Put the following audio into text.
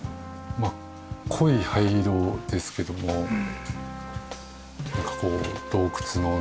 まあ濃い灰色ですけどもなんかこう洞窟の中というか。